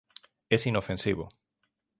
Es inofensivo